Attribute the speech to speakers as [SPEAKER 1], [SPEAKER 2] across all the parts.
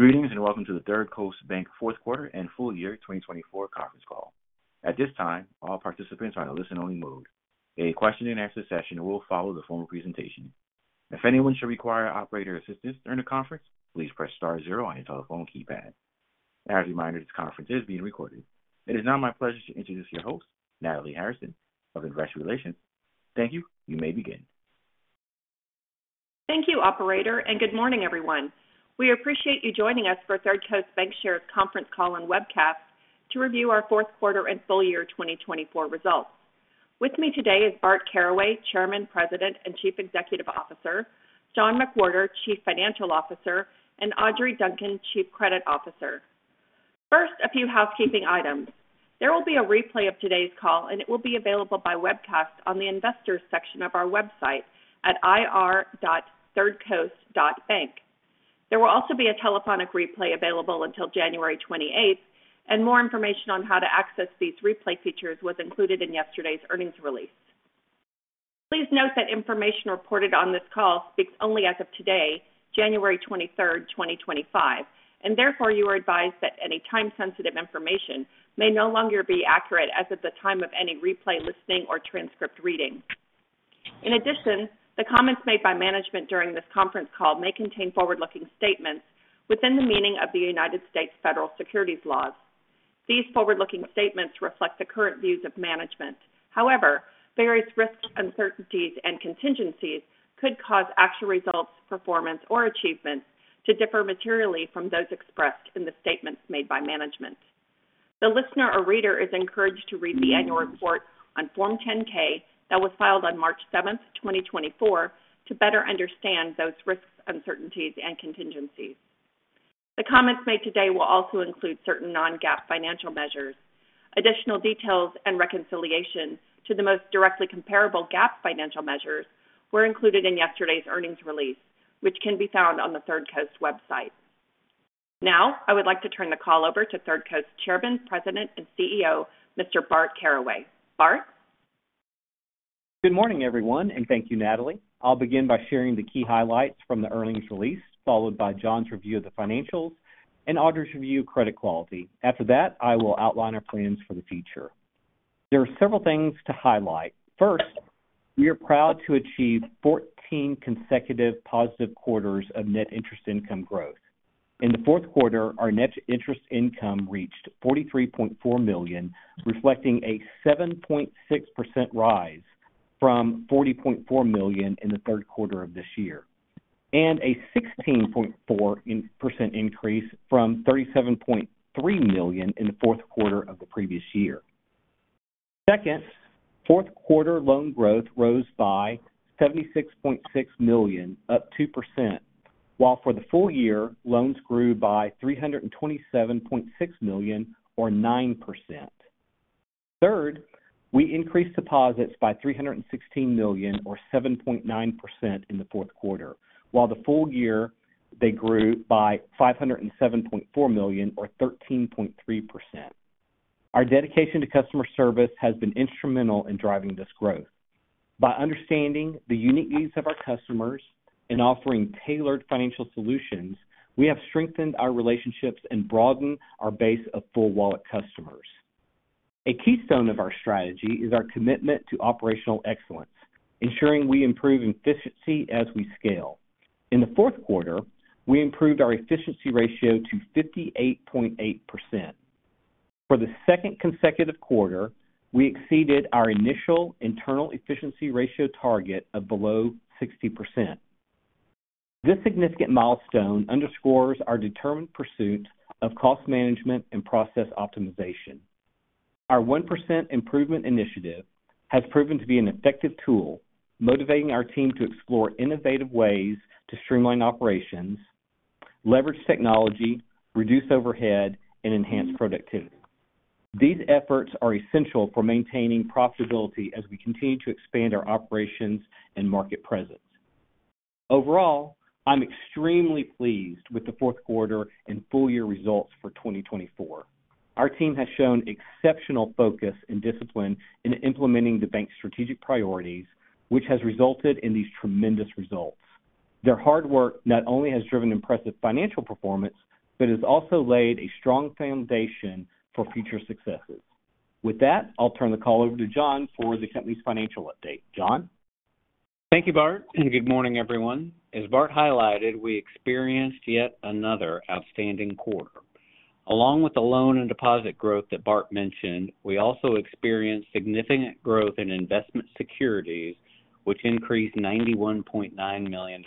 [SPEAKER 1] Greetings and welcome to the Third Coast Bancshares Fourth Quarter and Full Year 2024 conference call. At this time, all participants are in a listen-only mode. A question-and-answer session will follow the formal presentation. If anyone should require operator assistance during the conference, please press star zero on your telephone keypad. As a reminder, this conference is being recorded. It is now my pleasure to introduce your host, Natalie Hairston, of Investor Relations. Thank you. You may begin.
[SPEAKER 2] Thank you, Operator, and good morning, everyone. We appreciate you joining us for Third Coast Bancshares conference call and webcast to review our fourth quarter and full year 2024 results. With me today is Bart Caraway, Chairman, President, and Chief Executive Officer, John McWhorter, Chief Financial Officer, and Audrey Duncan, Chief Credit Officer. First, a few housekeeping items. There will be a replay of today's call, and it will be available by webcast on the Investors section of our website at ir.thirdcoast.bank. There will also be a telephonic replay available until January 28th, and more information on how to access these replay features was included in yesterday's earnings release. Please note that information reported on this call speaks only as of today, January 23rd, 2025, and therefore you are advised that any time-sensitive information may no longer be accurate as of the time of any replay listening or transcript reading. In addition, the comments made by management during this conference call may contain forward-looking statements within the meaning of the United States Federal Securities Laws. These forward-looking statements reflect the current views of management. However, various risks, uncertainties, and contingencies could cause actual results, performance, or achievements to differ materially from those expressed in the statements made by management. The listener or reader is encouraged to read the annual report on Form 10-K that was filed on March 7th, 2024, to better understand those risks, uncertainties, and contingencies. The comments made today will also include certain non-GAAP financial measures. Additional details and reconciliation to the most directly comparable GAAP financial measures were included in yesterday's earnings release, which can be found on the Third Coast website. Now, I would like to turn the call over to Third Coast Chairman, President, and CEO, Mr. Bart Caraway. Bart?
[SPEAKER 3] Good morning, everyone, and thank you, Natalie. I'll begin by sharing the key highlights from the earnings release, followed by John's review of the financials and Audrey's review of credit quality. After that, I will outline our plans for the future. There are several things to highlight. First, we are proud to achieve 14 consecutive positive quarters of net interest income growth. In the fourth quarter, our net interest income reached $43.4 million, reflecting a 7.6% rise from $40.4 million in the third quarter of this year, and a 16.4% increase from $37.3 million in the fourth quarter of the previous year. Second, fourth quarter loan growth rose by $76.6 million, up 2%, while for the full year, loans grew by $327.6 million, or 9%. Third, we increased deposits by $316 million, or 7.9%, in the fourth quarter, while the full year they grew by $507.4 million, or 13.3%. Our dedication to customer service has been instrumental in driving this growth. By understanding the unique needs of our customers and offering tailored financial solutions, we have strengthened our relationships and broadened our base of full wallet customers. A keystone of our strategy is our commitment to operational excellence, ensuring we improve efficiency as we scale. In the fourth quarter, we improved our efficiency ratio to 58.8%. For the second consecutive quarter, we exceeded our initial internal efficiency ratio target of below 60%. This significant milestone underscores our determined pursuit of cost management and process optimization. Our 1% improvement initiative has proven to be an effective tool, motivating our team to explore innovative ways to streamline operations, leverage technology, reduce overhead, and enhance productivity. These efforts are essential for maintaining profitability as we continue to expand our operations and market presence. Overall, I'm extremely pleased with the fourth quarter and full year results for 2024. Our team has shown exceptional focus and discipline in implementing the bank's strategic priorities, which has resulted in these tremendous results. Their hard work not only has driven impressive financial performance, but has also laid a strong foundation for future successes. With that, I'll turn the call over to John for the company's financial update. John?
[SPEAKER 4] Thank you, Bart. Good morning, everyone. As Bart highlighted, we experienced yet another outstanding quarter. Along with the loan and deposit growth that Bart mentioned, we also experienced significant growth in investment securities, which increased $91.9 million.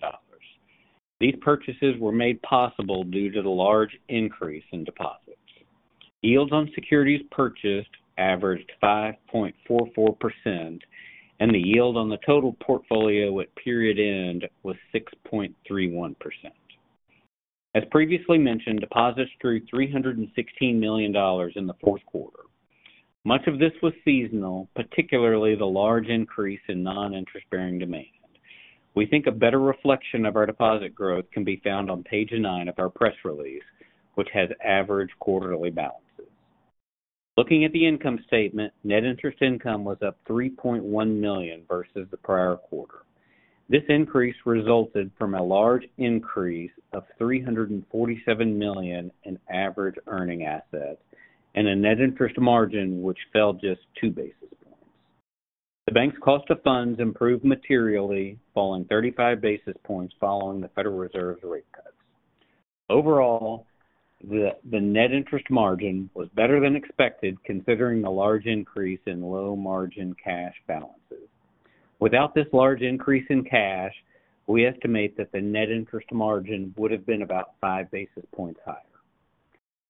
[SPEAKER 4] These purchases were made possible due to the large increase in deposits. Yields on securities purchased averaged 5.44%, and the yield on the total portfolio at period end was 6.31%. As previously mentioned, deposits drew $316 million in the fourth quarter. Much of this was seasonal, particularly the large increase in non-interest-bearing demand. We think a better reflection of our deposit growth can be found on page 9 of our press release, which has averaged quarterly balances. Looking at the income statement, net interest income was up $3.1 million versus the prior quarter. This increase resulted from a large increase of $347 million in average earning assets and a net interest margin which fell just two basis points. The bank's cost of funds improved materially, falling 35 basis points following the Federal Reserve's rate cuts. Overall, the net interest margin was better than expected, considering the large increase in low-margin cash balances. Without this large increase in cash, we estimate that the net interest margin would have been about five basis points higher.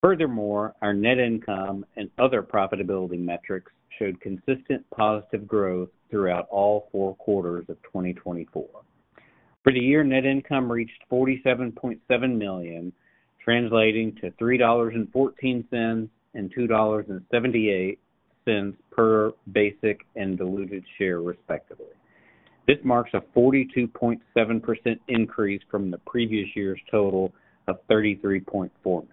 [SPEAKER 4] Furthermore, our net income and other profitability metrics showed consistent positive growth throughout all four quarters of 2024. For the year, net income reached $47.7 million, translating to $3.14 and $2.78 per basic and diluted share, respectively. This marks a 42.7% increase from the previous year's total of $33.4 million.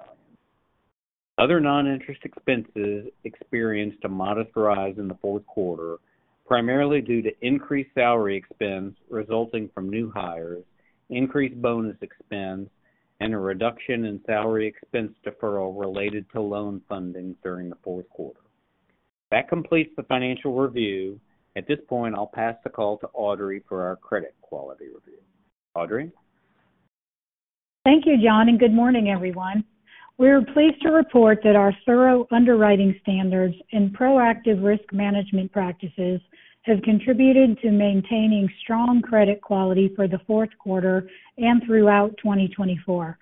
[SPEAKER 4] Other non-interest expenses experienced a modest rise in the fourth quarter, primarily due to increased salary expense resulting from new hires, increased bonus expense, and a reduction in salary expense deferral related to loan funding during the fourth quarter. That completes the financial review. At this point, I'll pass the call to Audrey for our credit quality review. Audrey?
[SPEAKER 5] Thank you, John, and good morning, everyone. We're pleased to report that our thorough underwriting standards and proactive risk management practices have contributed to maintaining strong credit quality for the fourth quarter and throughout 2024.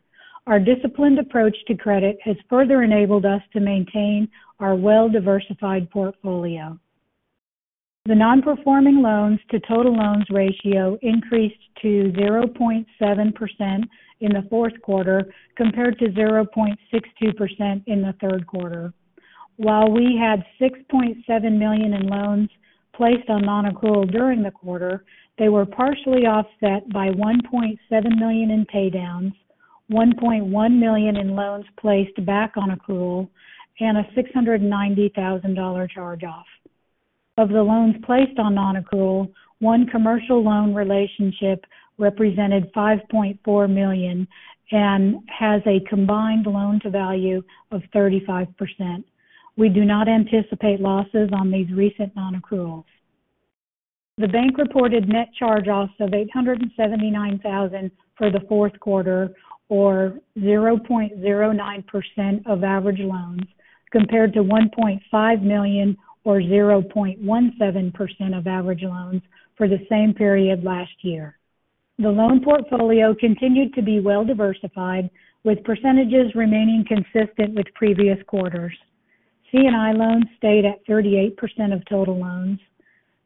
[SPEAKER 5] Our disciplined approach to credit has further enabled us to maintain our well-diversified portfolio. The non-performing loans to total loans ratio increased to 0.7% in the fourth quarter compared to 0.62% in the third quarter. While we had $6.7 million in loans placed on non-accrual during the quarter, they were partially offset by $1.7 million in paydowns, $1.1 million in loans placed back on accrual, and a $690,000 charge-off. Of the loans placed on non-accrual, one commercial loan relationship represented $5.4 million and has a combined loan-to-value of 35%. We do not anticipate losses on these recent non-accruals. The bank reported net charge-offs of $879,000 for the fourth quarter, or 0.09% of average loans, compared to $1.5 million or 0.17% of average loans for the same period last year. The loan portfolio continued to be well-diversified, with percentages remaining consistent with previous quarters. C&I loans stayed at 38% of total loans.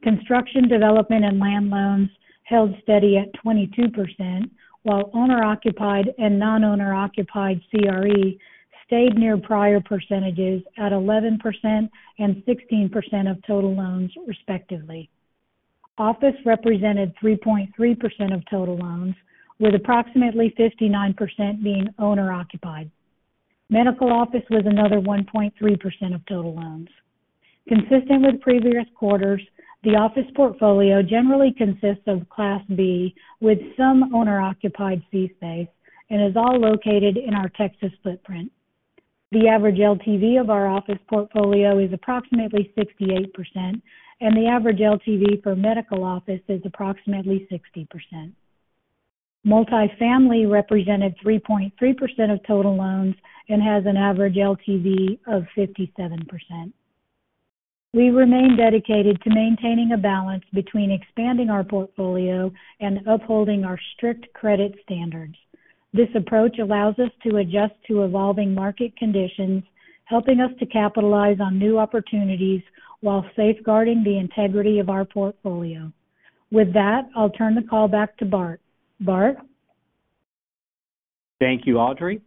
[SPEAKER 5] Construction, development, and land loans held steady at 22%, while owner-occupied and non-owner-occupied CRE stayed near prior percentages at 11% and 16% of total loans, respectively. Office represented 3.3% of total loans, with approximately 59% being owner-occupied. Medical office was another 1.3% of total loans. Consistent with previous quarters, the office portfolio generally consists of Class B with some owner-occupied C space and is all located in our Texas footprint. The average LTV of our office portfolio is approximately 68%, and the average LTV for medical office is approximately 60%. Multifamily represented 3.3% of total loans and has an average LTV of 57%. We remain dedicated to maintaining a balance between expanding our portfolio and upholding our strict credit standards. This approach allows us to adjust to evolving market conditions, helping us to capitalize on new opportunities while safeguarding the integrity of our portfolio. With that, I'll turn the call back to Bart. Bart?
[SPEAKER 3] Thank you, Audrey.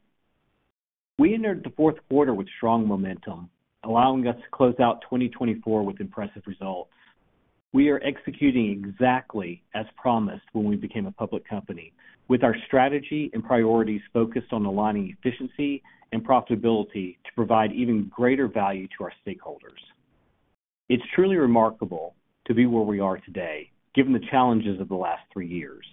[SPEAKER 3] We entered the fourth quarter with strong momentum, allowing us to close out 2024 with impressive results. We are executing exactly as promised when we became a public company, with our strategy and priorities focused on aligning efficiency and profitability to provide even greater value to our stakeholders. It's truly remarkable to be where we are today, given the challenges of the last three years.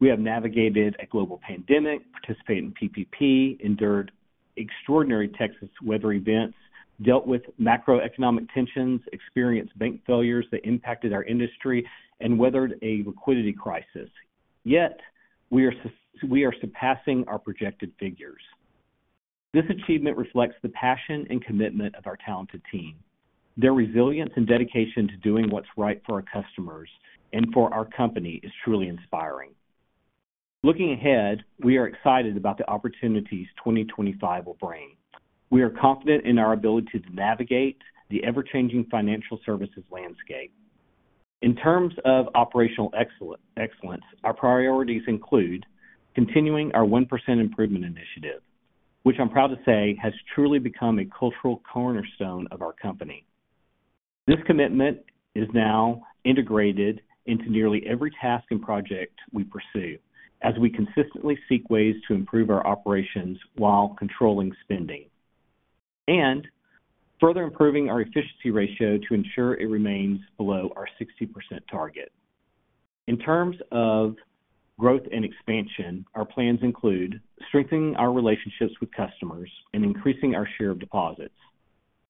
[SPEAKER 3] We have navigated a global pandemic, participated in PPP, endured extraordinary Texas weather events, dealt with macroeconomic tensions, experienced bank failures that impacted our industry, and weathered a liquidity crisis. Yet, we are surpassing our projected figures. This achievement reflects the passion and commitment of our talented team. Their resilience and dedication to doing what's right for our customers and for our company is truly inspiring. Looking ahead, we are excited about the opportunities 2025 will bring. We are confident in our ability to navigate the ever-changing financial services landscape. In terms of operational excellence, our priorities include continuing our 1% improvement initiative, which I'm proud to say has truly become a cultural cornerstone of our company. This commitment is now integrated into nearly every task and project we pursue, as we consistently seek ways to improve our operations while controlling spending, and further improving our efficiency ratio to ensure it remains below our 60% target. In terms of growth and expansion, our plans include strengthening our relationships with customers and increasing our share of deposits.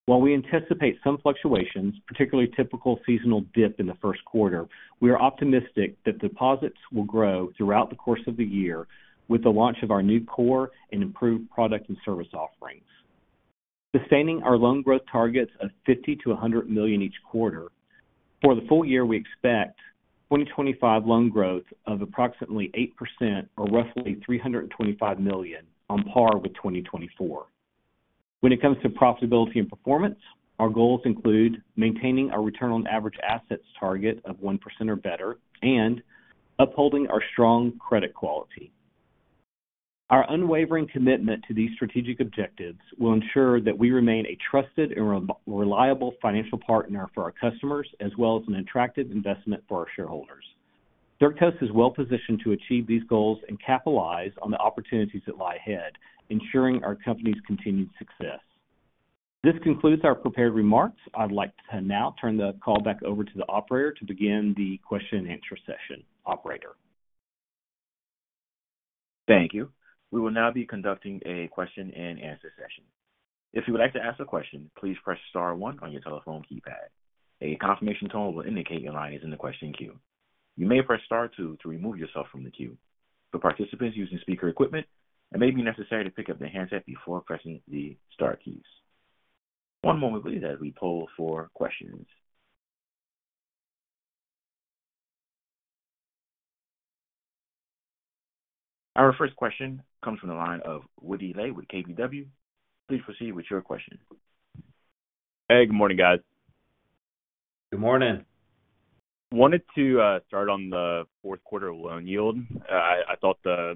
[SPEAKER 3] While we anticipate some fluctuations, particularly a typical seasonal dip in the first quarter, we are optimistic that deposits will grow throughout the course of the year with the launch of our new core and improved product and service offerings. Sustaining our loan growth targets of $50 to $100 million each quarter. For the full year, we expect 2025 loan growth of approximately 8%, or roughly $325 million, on par with 2024. When it comes to profitability and performance, our goals include maintaining our return on average assets target of 1% or better and upholding our strong credit quality. Our unwavering commitment to these strategic objectives will ensure that we remain a trusted and reliable financial partner for our customers, as well as an attractive investment for our shareholders. Third Coast is well-positioned to achieve these goals and capitalize on the opportunities that lie ahead, ensuring our company's continued success. This concludes our prepared remarks. I'd like to now turn the call back over to the operator to begin the question-and-answer session. Operator.
[SPEAKER 1] Thank you. We will now be conducting a question-and-answer session. If you would like to ask a question, please press Star one on your telephone keypad. A confirmation tone will indicate your line is in the question queue. You may press Star two to remove yourself from the queue. For participants using speaker equipment, it may be necessary to pick up the handset before pressing the Star keys. One moment please as we poll for questions. Our first question comes from the line of Woody Lay with KBW. Please proceed with your question.
[SPEAKER 6] Hey, good morning, guys.
[SPEAKER 3] Good morning.
[SPEAKER 6] Wanted to start on the fourth quarter loan yield. I thought the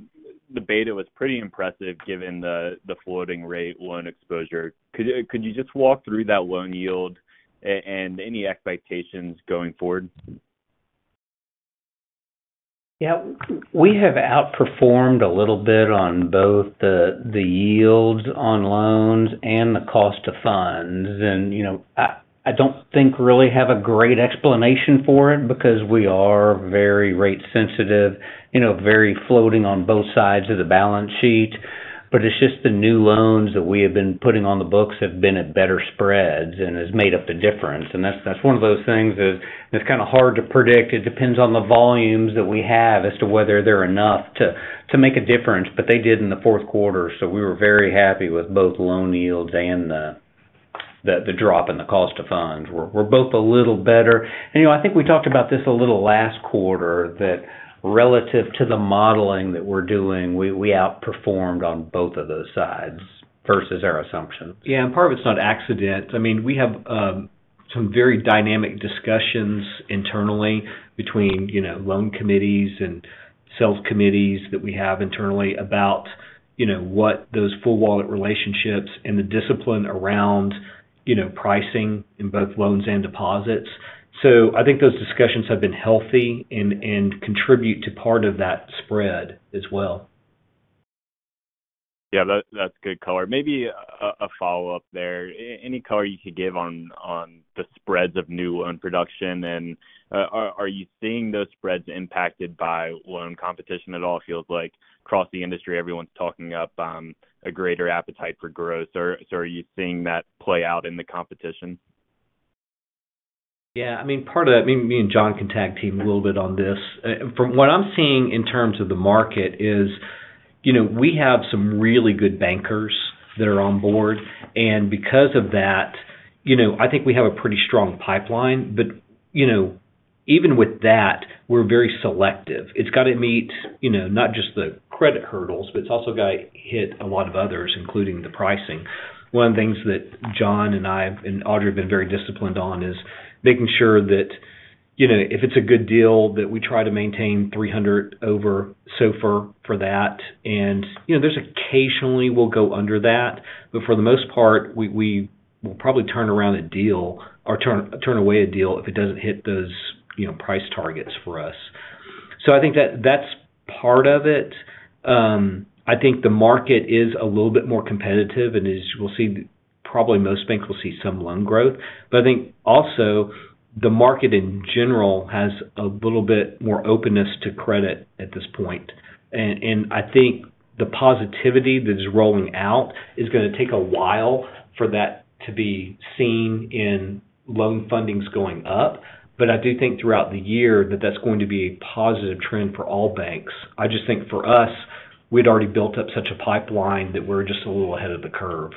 [SPEAKER 6] beta was pretty impressive given the floating-rate loan exposure. Could you just walk through that loan yield and any expectations going forward?
[SPEAKER 4] Yeah. We have outperformed a little bit on both the yields on loans and the cost of funds. And I don't think we really have a great explanation for it because we are very rate-sensitive, very floating on both sides of the balance sheet. But it's just the new loans that we have been putting on the books have been at better spreads and has made up the difference. And that's one of those things that's kind of hard to predict. It depends on the volumes that we have as to whether they're enough to make a difference. But they did in the fourth quarter. So we were very happy with both loan yields and the drop in the cost of funds. We're both a little better. And I think we talked about this a little last quarter that relative to the modeling that we're doing, we outperformed on both of those sides versus our assumptions.
[SPEAKER 3] Yeah. And part of it's no accident. I mean, we have some very dynamic discussions internally between loan committees and sales committees that we have internally about what those full-wallet relationships and the discipline around pricing in both loans and deposits. So I think those discussions have been healthy and contribute to part of that spread as well.
[SPEAKER 6] Yeah. That's good color. Maybe a follow-up there. Any color you can give on the spreads of new loan production? And are you seeing those spreads impacted by loan competition at all? It feels like across the industry, everyone's talking up a greater appetite for growth. So are you seeing that play out in the competition?
[SPEAKER 3] Yeah. I mean, part of that, me and John can tag team a little bit on this. From what I'm seeing in terms of the market is we have some really good bankers that are on board. And because of that, I think we have a pretty strong pipeline. But even with that, we're very selective. It's got to meet not just the credit hurdles, but it's also got to hit a lot of others, including the pricing. One of the things that John and I and Audrey have been very disciplined on is making sure that if it's a good deal, that we try to maintain 300 over SOFR for that. And there's occasionally we'll go under that. But for the most part, we will probably turn around a deal or turn away a deal if it doesn't hit those price targets for us. So I think that that's part of it. I think the market is a little bit more competitive, and as you'll see, probably most banks will see some loan growth. But I think also the market in general has a little bit more openness to credit at this point. And I think the positivity that is rolling out is going to take a while for that to be seen in loan fundings going up. But I do think throughout the year that that's going to be a positive trend for all banks. I just think for us, we'd already built up such a pipeline that we're just a little ahead of the curve.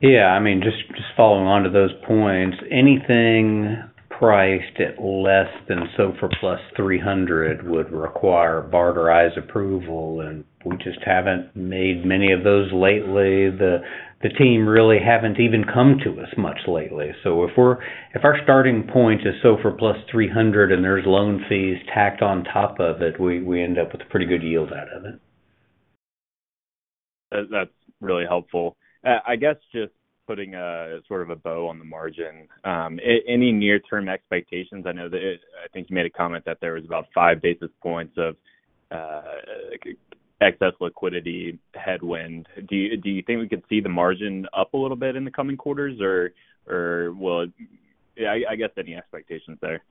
[SPEAKER 4] Yeah. I mean, just following on to those points, anything priced at less than SOFR Plus 300 would require Bart or I's approval. And we just haven't made many of those lately. The team really haven't even come to us much lately, so if our starting point is SOFR Plus 300 and there's loan fees tacked on top of it, we end up with a pretty good yield out of it.
[SPEAKER 6] That's really helpful. I guess just putting sort of a bow on the margin, any near-term expectations? I think you made a comment that there was about five basis points of excess liquidity headwind. Do you think we could see the margin up a little bit in the coming quarters? Or I guess any expectations there?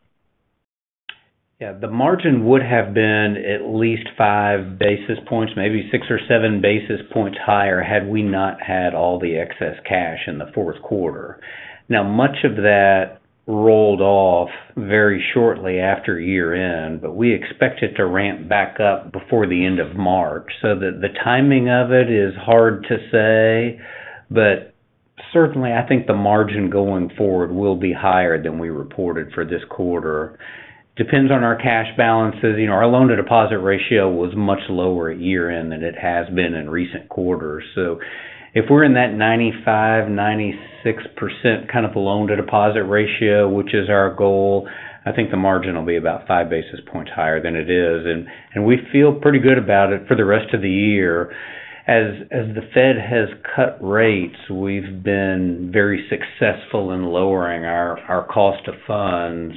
[SPEAKER 4] Yeah. The margin would have been at least five basis points, maybe six or seven basis points higher had we not had all the excess cash in the fourth quarter. Now, much of that rolled off very shortly after year-end, but we expect it to ramp back up before the end of March. So the timing of it is hard to say. But certainly, I think the margin going forward will be higher than we reported for this quarter. Depends on our cash balances. Our loan-to-deposit ratio was much lower year-end than it has been in recent quarters. So if we're in that 95%-96% kind of a loan-to-deposit ratio, which is our goal, I think the margin will be about five basis points higher than it is. And we feel pretty good about it for the rest of the year. As the Fed has cut rates, we've been very successful in lowering our cost of funds.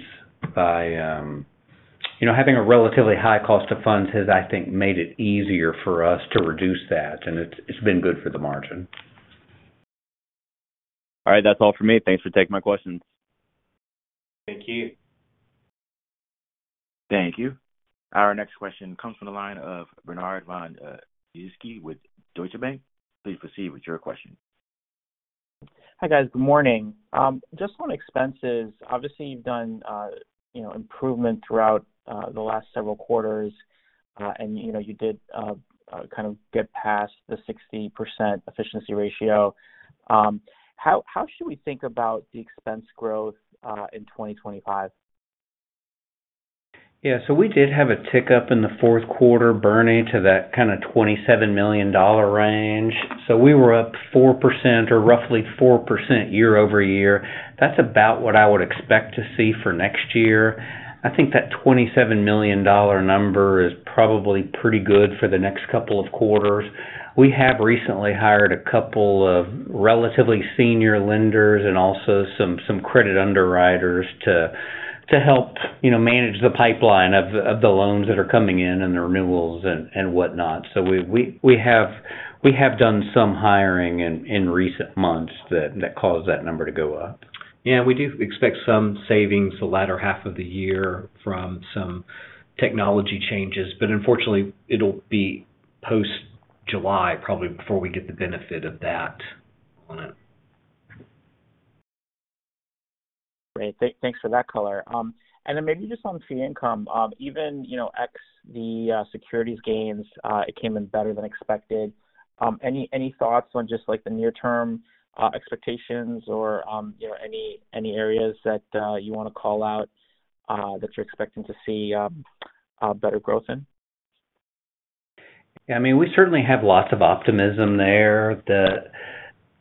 [SPEAKER 4] Having a relatively high cost of funds has, I think, made it easier for us to reduce that. And it's been good for the margin.
[SPEAKER 6] All right. That's all for me. Thanks for taking my questions.
[SPEAKER 4] Thank you.
[SPEAKER 1] Thank you. Our next question comes from the line of Bernard Von Gizycki with Deutsche Bank. Please proceed with your question.
[SPEAKER 7] Hi guys. Good morning. Just on expenses, obviously you've done improvement throughout the last several quarters, and you did kind of get past the 60% efficiency ratio. How should we think about the expense growth in 2025?
[SPEAKER 4] Yeah. So we did have a tick up in the fourth quarter running to that kind of $27 million range. So we were up 4% or roughly 4% year-over-year. That's about what I would expect to see for next year. I think that $27 million number is probably pretty good for the next couple of quarters. We have recently hired a couple of relatively senior lenders and also some credit underwriters to help manage the pipeline of the loans that are coming in and the renewals and whatnot. So we have done some hiring in recent months that caused that number to go up.
[SPEAKER 3] Yeah. We do expect some savings the latter half of the year from some technology changes. But unfortunately, it'll be post-July, probably before we get the benefit of that.
[SPEAKER 6] Great. Thanks for that color. And then maybe just on fee income, even ex the securities gains, it came in better than expected. Any thoughts on just the near-term expectations or any areas that you want to call out that you're expecting to see better growth in?
[SPEAKER 4] Yeah. I mean, we certainly have lots of optimism there.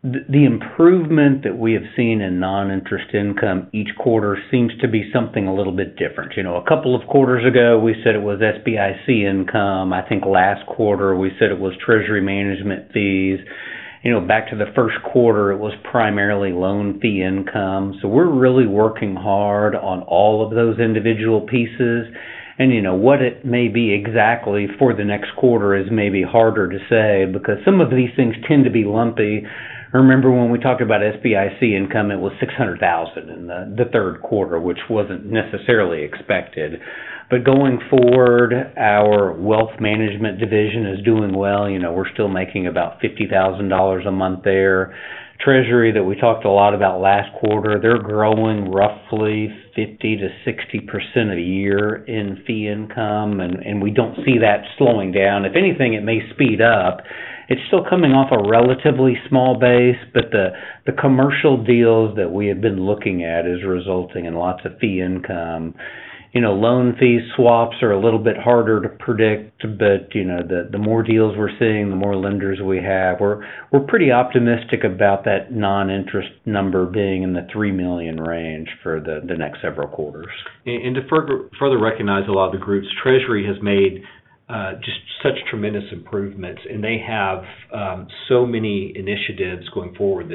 [SPEAKER 4] The improvement that we have seen in non-interest income each quarter seems to be something a little bit different. A couple of quarters ago, we said it was SBIC income. I think last quarter, we said it was treasury management fees. Back to the first quarter, it was primarily loan fee income. So we're really working hard on all of those individual pieces. And what it may be exactly for the next quarter is maybe harder to say because some of these things tend to be lumpy. I remember when we talked about SBIC income, it was $600,000 in the third quarter, which wasn't necessarily expected. But going forward, our wealth management division is doing well. We're still making about $50,000 a month there. Treasury that we talked a lot about last quarter, they're growing roughly 50% to 60% a year in fee income, and we don't see that slowing down. If anything, it may speed up. It's still coming off a relatively small base, but the commercial deals that we have been looking at are resulting in lots of fee income. Loan fee swaps are a little bit harder to predict, but the more deals we're seeing, the more lenders we have. We're pretty optimistic about that non-interest number being in the $3 million range for the next several quarters,
[SPEAKER 3] and to further recognize a lot of the groups, Treasury has made just such tremendous improvements. And they have so many initiatives going forward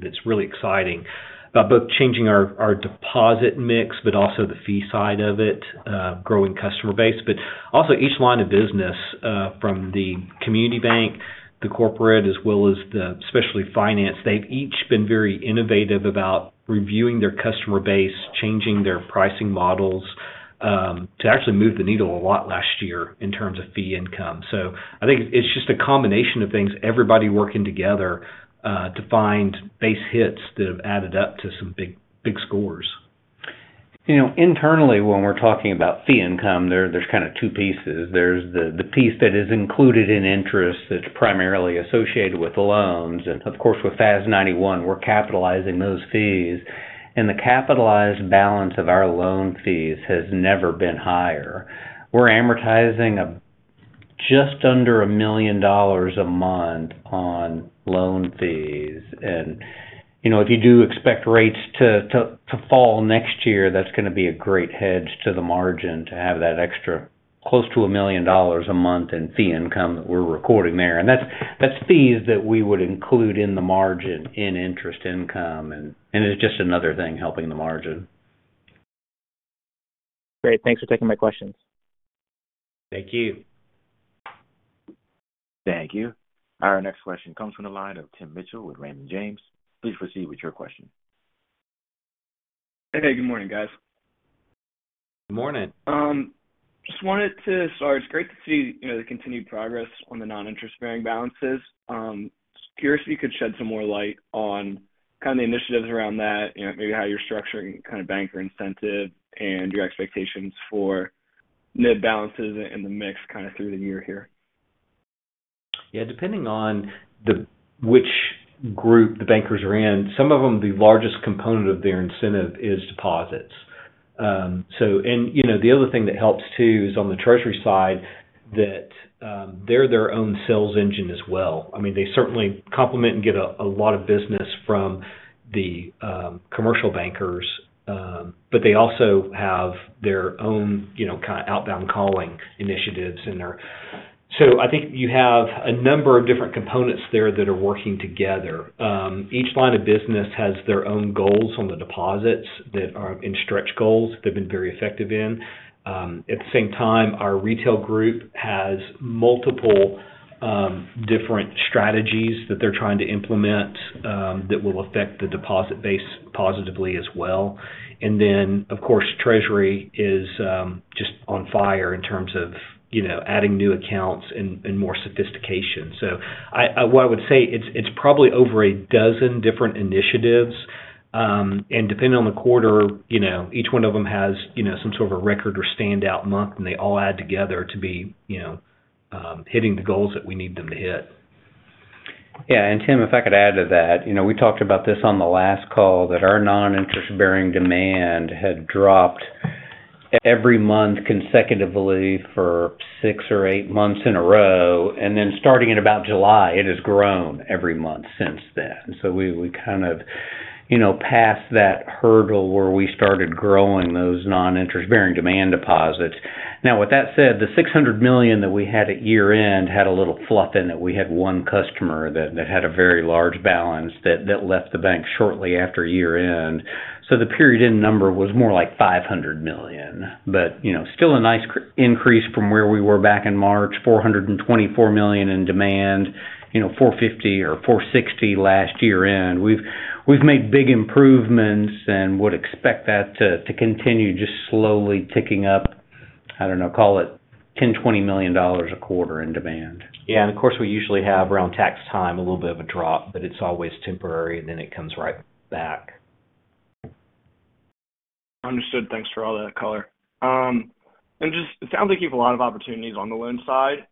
[SPEAKER 3] that's really exciting about both changing our deposit mix, but also the fee side of it, growing customer base. But also each line of business from the community bank, the corporate, as well as the specialty finance, they've each been very innovative about reviewing their customer base, changing their pricing models to actually move the needle a lot last year in terms of fee income. So I think it's just a combination of things, everybody working together to find base hits that have added up to some big scores.
[SPEAKER 4] Internally, when we're talking about fee income, there's kind of two pieces. There's the piece that is included in interest that's primarily associated with loans. And of course, with FASB 91, we're capitalizing those fees. And the capitalized balance of our loan fees has never been higher. We're amortizing just under $1 million a month on loan fees. And if you do expect rates to fall next year, that's going to be a great hedge to the margin to have that extra close to $1 million a month in fee income that we're recording there. And that's fees that we would include in the margin in interest income. And it's just another thing helping the margin.
[SPEAKER 7] Great. Thanks for taking my questions.
[SPEAKER 3] Thank you.
[SPEAKER 1] Thank you. Our next question comes from the line of Tim Mitchell with Raymond James. Please proceed with your question.
[SPEAKER 8] Hey, good morning, guys.
[SPEAKER 3] Good morning.
[SPEAKER 8] Just wanted to start, it's great to see the continued progress on the non-interest-bearing balances. Curious if you could shed some more light on kind of the initiatives around that, maybe how you're structuring kind of banker incentive and your expectations for NIB balances and the mix kind of through the year here.
[SPEAKER 3] Yeah. Depending on which group the bankers are in, some of them, the largest component of their incentive is deposits. And the other thing that helps too is on the treasury side that they're their own sales engine as well. I mean, they certainly complement and get a lot of business from the commercial bankers, but they also have their own kind of outbound calling initiatives in there. So I think you have a number of different components there that are working together. Each line of business has their own goals on the deposits that are in stretch goals they've been very effective in. At the same time, our retail group has multiple different strategies that they're trying to implement that will affect the deposit base positively as well. And then, of course, treasury is just on fire in terms of adding new accounts and more sophistication. So what I would say, it's probably over a dozen different initiatives. And depending on the quarter, each one of them has some sort of a record or standout month, and they all add together to be hitting the goals that we need them to hit.
[SPEAKER 4] Yeah. And Tim, if I could add to that, we talked about this on the last call that our non-interest-bearing demand had dropped every month consecutively for six or eight months in a row. And then starting in about July, it has grown every month since then. So we kind of passed that hurdle where we started growing those non-interest-bearing demand deposits. Now, with that said, the $600 million that we had at year-end had a little fluff in that we had one customer that had a very large balance that left the bank shortly after year-end. So the period in number was more like $500 million. But still a nice increase from where we were back in March, $424 million in demand, $450 or $460 last year-end. We've made big improvements and would expect that to continue just slowly ticking up. I don't know, call it $10, $20 million a quarter in demand.
[SPEAKER 3] Yeah. And of course, we usually have around tax time a little bit of a drop, but it's always temporary, and then it comes right back.
[SPEAKER 8] Understood. Thanks for all that color, and just it sounds like you have a lot of opportunities on the loan side.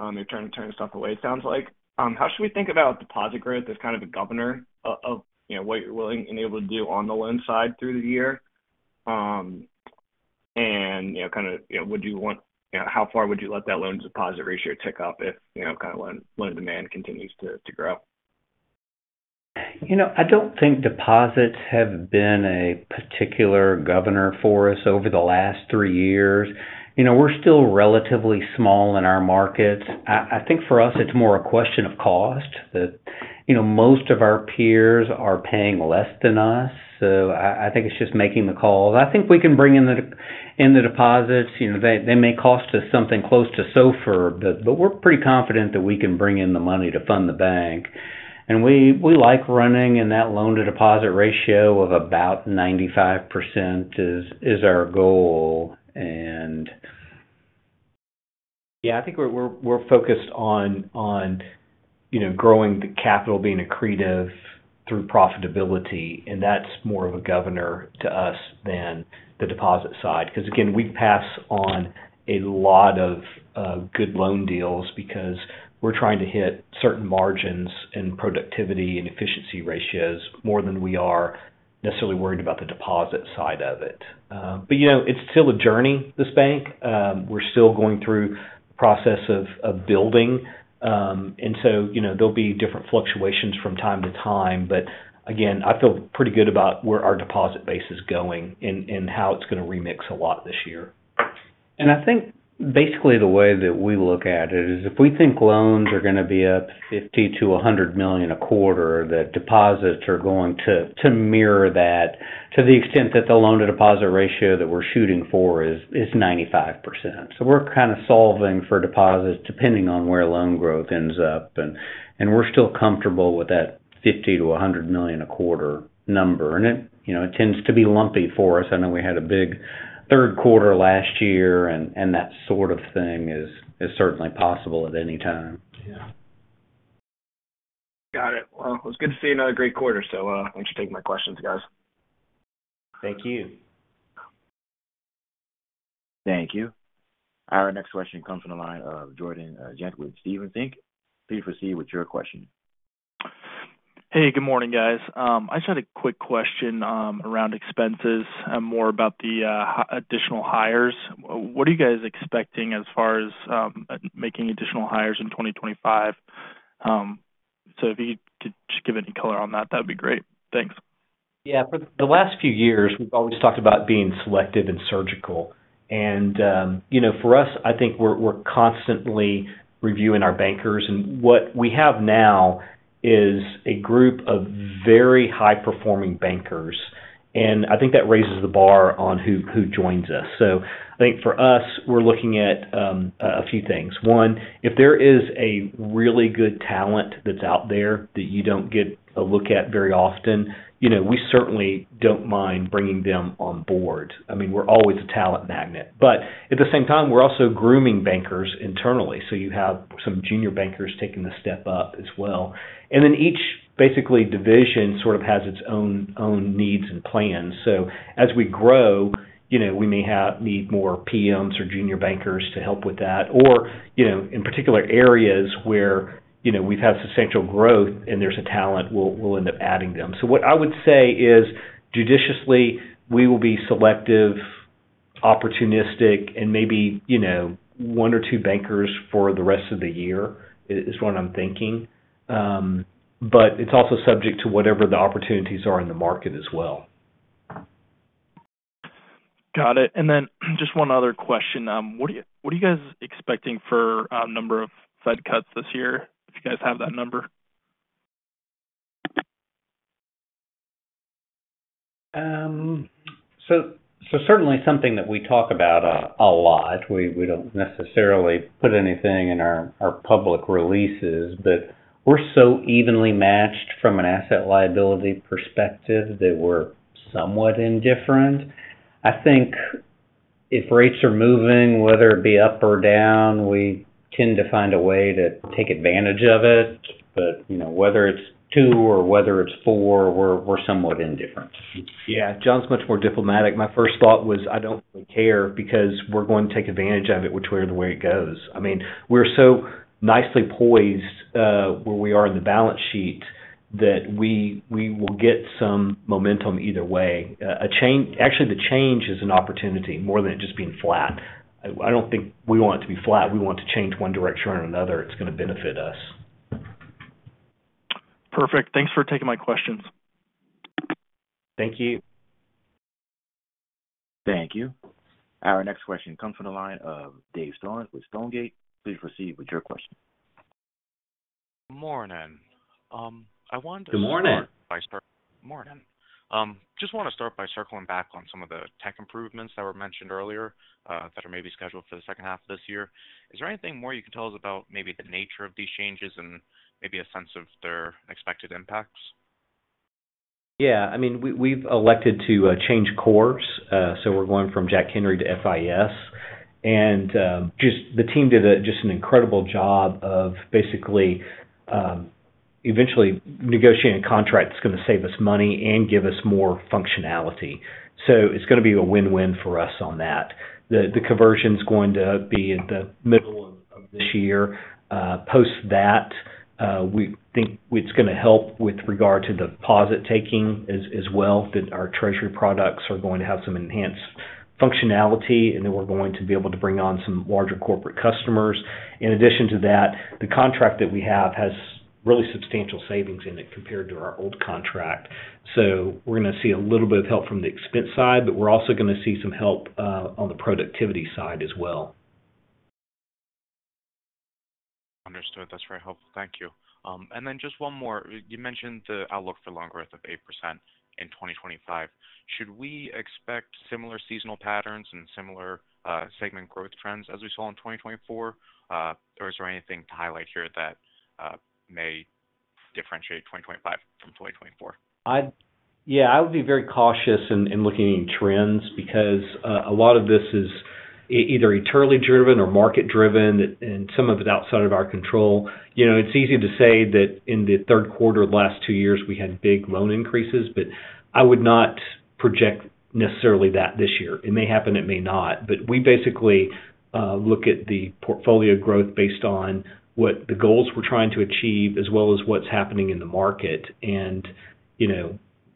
[SPEAKER 8] You're trying to turn stuff away, it sounds like. How should we think about deposit growth as kind of a governor of what you're willing and able to do on the loan side through the year, and kind of would you want how far would you let that loan-to-deposit ratio tick up if kind of loan demand continues to grow?
[SPEAKER 4] I don't think deposits have been a particular governor for us over the last three years. We're still relatively small in our markets. I think for us, it's more a question of cost. Most of our peers are paying less than us. So I think it's just making the call. I think we can bring in the deposits. They may cost us something close to SOFR, but we're pretty confident that we can bring in the money to fund the bank. And we like running in that loan-to-deposit ratio of about 95%, is our goal. And
[SPEAKER 3] yeah, I think we're focused on growing the capital, being accretive through profitability. And that's more of a governor to us than the deposit side. Because again, we pass on a lot of good loan deals because we're trying to hit certain margins and productivity and efficiency ratios more than we are necessarily worried about the deposit side of it, but it's still a journey, this bank. We're still going through the process of building, and so there'll be different fluctuations from time to time, but again, I feel pretty good about where our deposit base is going and how it's going to remix a lot this year,
[SPEAKER 4] and I think basically the way that we look at it is if we think loans are going to be up $50 to $100 million a quarter, that deposits are going to mirror that to the extent that the loan-to-deposit ratio that we're shooting for is 95%, so we're kind of solving for deposits depending on where loan growth ends up. We're still comfortable with that $50 to $100 million a quarter number. It tends to be lumpy for us. I know we had a big third quarter last year, and that sort of thing is certainly possible at any time.
[SPEAKER 8] Got it. Well, it was good to see another great quarter. So thanks for taking my questions, guys.
[SPEAKER 3] Thank you.
[SPEAKER 1] Thank you. Our next question comes from the line of Jordan Ghent with Stephens Inc. Please proceed with your question.
[SPEAKER 9] Hey, good morning, guys. I just had a quick question around expenses and more about the additional hires. What are you guys expecting as far as making additional hires in 2025? So if you could just give any color on that, that would be great. Thanks.
[SPEAKER 3] Yeah. For the last few years, we've always talked about being selective and surgical. And for us, I think we're constantly reviewing our bankers. And what we have now is a group of very high-performing bankers. And I think that raises the bar on who joins us. So I think for us, we're looking at a few things. One, if there is a really good talent that's out there that you don't get a look at very often, we certainly don't mind bringing them on board. I mean, we're always a talent magnet. But at the same time, we're also grooming bankers internally. So you have some junior bankers taking the step up as well. And then each basically division sort of has its own needs and plans. So as we grow, we may need more PMs or junior bankers to help with that. Or in particular areas where we've had substantial growth and there's a talent, we'll end up adding them. So what I would say is judiciously, we will be selective, opportunistic, and maybe one or two bankers for the rest of the year is what I'm thinking. But it's also subject to whatever the opportunities are in the market as well.
[SPEAKER 9] Got it. And then just one other question. What are you guys expecting for number of Fed cuts this year if you guys have that number?
[SPEAKER 4] Certainly something that we talk about a lot. We don't necessarily put anything in our public releases, but we're so evenly matched from an asset liability perspective that we're somewhat indifferent. I think if rates are moving, whether it be up or down, we tend to find a way to take advantage of it. But whether it's two or whether it's four, we're somewhat indifferent.
[SPEAKER 3] Yeah. John's much more diplomatic. My first thought was, "I don't really care because we're going to take advantage of it which way or the way it goes." I mean, we're so nicely poised where we are in the balance sheet that we will get some momentum either way. Actually, the change is an opportunity more than it just being flat. I don't think we want it to be flat. We want to change one direction or another. It's going to benefit us.
[SPEAKER 9] Perfect. Thanks for taking my questions.
[SPEAKER 3] Thank you.
[SPEAKER 1] Thank you. Our next question comes from the line of Dave Storms with Stonegate. Please proceed with your question.
[SPEAKER 10] Good morning. I wanted to.
[SPEAKER 3] Good morning.
[SPEAKER 10] Just want to start by circling back on some of the tech improvements that were mentioned earlier that are maybe scheduled for the second half of this year. Is there anything more you can tell us about maybe the nature of these changes and maybe a sense of their expected impacts?
[SPEAKER 3] Yeah. I mean, we've elected to change course, so we're going from Jack Henry to FIS, and the team did just an incredible job of basically eventually negotiating a contract that's going to save us money and give us more functionality, so it's going to be a win-win for us on that. The conversion's going to be at the middle of this year. Post that, we think it's going to help with regard to the deposit taking as well that our treasury products are going to have some enhanced functionality and that we're going to be able to bring on some larger corporate customers. In addition to that, the contract that we have has really substantial savings in it compared to our old contract. So we're going to see a little bit of help from the expense side, but we're also going to see some help on the productivity side as well.
[SPEAKER 10] Understood. That's very helpful. Thank you. And then just one more. You mentioned the outlook for loan growth of 8% in 2025. Should we expect similar seasonal patterns and similar segment growth trends as we saw in 2024? Or is there anything to highlight here that may differentiate 2025 from 2024?
[SPEAKER 3] Yeah. I would be very cautious in looking at trends because a lot of this is either internally driven or market-driven, and some of it outside of our control. It's easy to say that in the third quarter of the last two years, we had big loan increases, but I would not project necessarily that this year. It may happen. It may not. But we basically look at the portfolio growth based on what the goals we're trying to achieve as well as what's happening in the market. And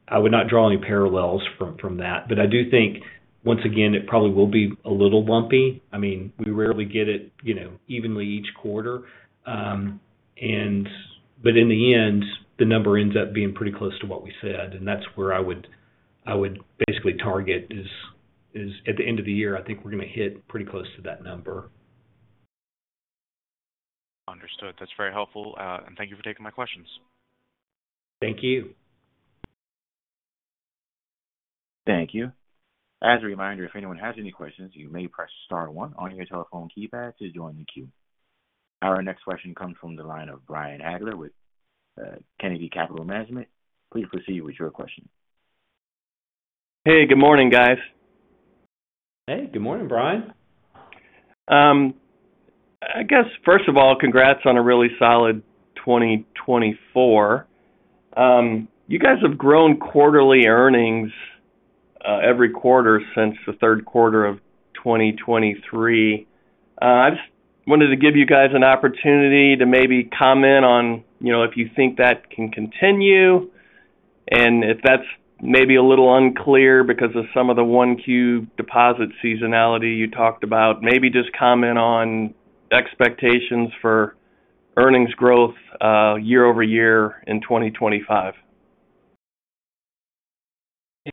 [SPEAKER 3] I would not draw any parallels from that. But I do think, once again, it probably will be a little lumpy. I mean, we rarely get it evenly each quarter. But in the end, the number ends up being pretty close to what we said. That's where I would basically target is at the end of the year. I think we're going to hit pretty close to that number.
[SPEAKER 10] Understood. That's very helpful. And thank you for taking my questions.
[SPEAKER 3] Thank you.
[SPEAKER 1] Thank you. As a reminder, if anyone has any questions, you may press star one on your telephone keypad to join the queue. Our next question comes from the line of Brian Hagler with Kennedy Capital Management. Please proceed with your question.
[SPEAKER 11] Hey, good morning, guys.
[SPEAKER 4] Hey, good morning, Brian.
[SPEAKER 11] I guess, first of all, congrats on a really solid 2024. You guys have grown quarterly earnings every quarter since the third quarter of 2023. I just wanted to give you guys an opportunity to maybe comment on if you think that can continue. And if that's maybe a little unclear because of some of the Q1 deposit seasonality you talked about, maybe just comment on expectations for earnings growth year over year in 2025.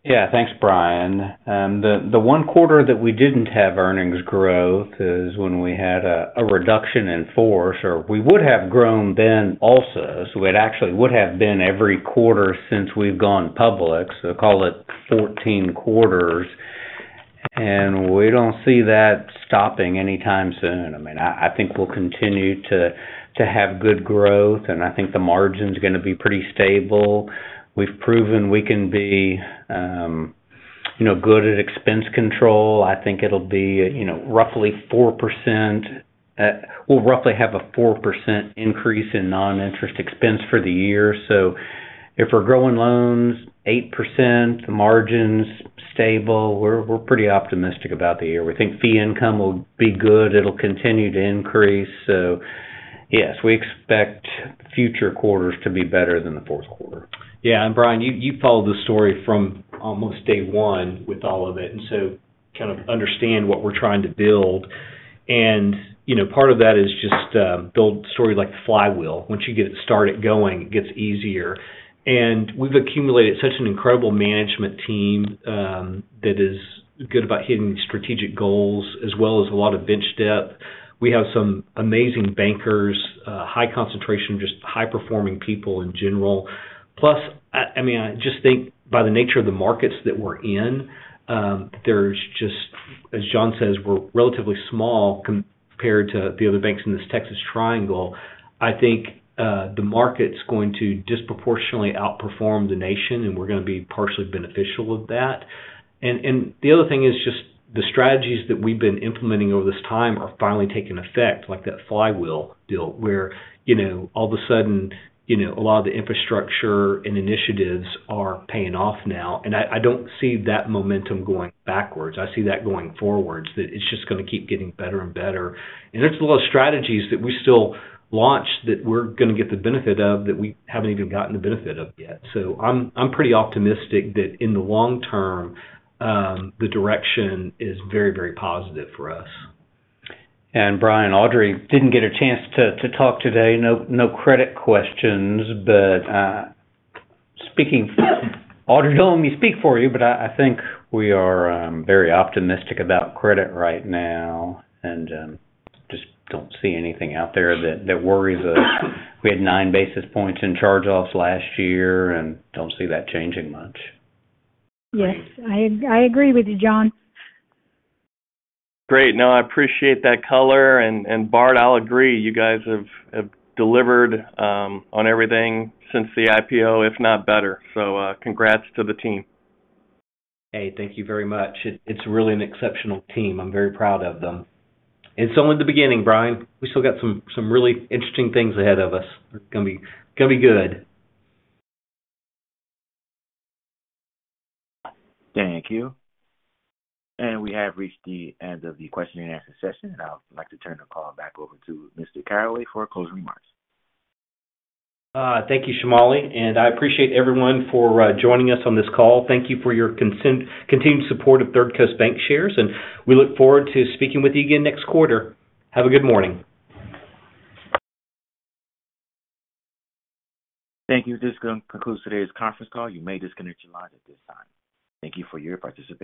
[SPEAKER 4] Yeah. Thanks, Brian. The one quarter that we didn't have earnings growth is when we had a reduction in force, or we would have grown then also. So it actually would have been every quarter since we've gone public. So call it 14 quarters. And we don't see that stopping anytime soon. I mean, I think we'll continue to have good growth, and I think the margin's going to be pretty stable. We've proven we can be good at expense control. I think it'll be roughly 4%. We'll roughly have a 4% increase in non-interest expense for the year. So if we're growing loans 8%, the margin's stable, we're pretty optimistic about the year. We think fee income will be good. It'll continue to increase. So yes, we expect future quarters to be better than the fourth quarter.
[SPEAKER 3] Yeah. Brian, you followed the story from almost day one with all of it. So kind of understand what we're trying to build. Part of that is just build a story like the flywheel. Once you get it started going, it gets easier. We've accumulated such an incredible management team that is good about hitting strategic goals as well as a lot of bench depth. We have some amazing bankers, high concentration, just high-performing people in general. Plus, I mean, I just think by the nature of the markets that we're in, there's just, as John says, we're relatively small compared to the other banks in this Texas Triangle. I think the market's going to disproportionately outperform the nation, and we're going to be partially beneficial of that. And the other thing is just the strategies that we've been implementing over this time are finally taking effect, like that flywheel deal where all of a sudden, a lot of the infrastructure and initiatives are paying off now. And I don't see that momentum going backwards. I see that going forwards, that it's just going to keep getting better and better. And there's a lot of strategies that we still launch that we're going to get the benefit of that we haven't even gotten the benefit of yet. So I'm pretty optimistic that in the long term, the direction is very, very positive for us.
[SPEAKER 4] And Brian, Audrey didn't get a chance to talk today. No credit questions. But speaking, Audrey don't let me speak for you, but I think we are very optimistic about credit right now and just don't see anything out there that worries us. We had nine basis points in charge-offs last year and don't see that changing much.
[SPEAKER 5] Yes. I agree with you, John.
[SPEAKER 11] Great. No, I appreciate that color. And Bart, I'll agree. You guys have delivered on everything since the IPO, if not better. So congrats to the team.
[SPEAKER 3] Hey, thank you very much. It's really an exceptional team. I'm very proud of them. It's only the beginning, Brian. We still got some really interesting things ahead of us. It's going to be good.
[SPEAKER 1] Thank you. And we have reached the end of the question and answer session, and I'd like to turn the call back over to Mr. Caraway for closing remarks.
[SPEAKER 3] Thank you, Shamali. And I appreciate everyone for joining us on this call. Thank you for your continued support of Third Coast Bancshares. And we look forward to speaking with you again next quarter. Have a good morning.
[SPEAKER 1] Thank you. This concludes today's conference call. You may disconnect your lines at this time. Thank you for your participation.